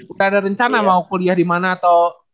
udah ada rencana mau kuliah di mana atau